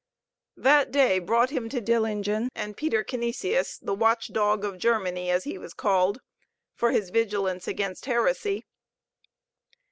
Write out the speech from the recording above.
That day brought him to Dillingen and Peter Canisius, the "Watch dog of Germany," as he was called, for his vigilance against heresy.